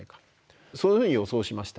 そういうふうに予想しました。